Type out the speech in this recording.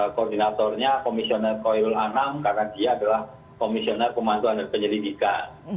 koordinatornya komisioner koyrul anam karena dia adalah komisioner pemantuan dan penyelidikan